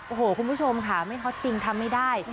โอ้โหคุณผู้ชมค่ะไม่ฮอตจริงทำไม่ได้